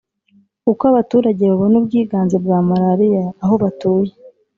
Uko abaturage babona ubwiganze bwa malariya aho batuye